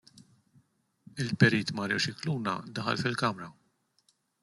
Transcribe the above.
Il-Perit Mario Scicluna daħal fil-Kamra.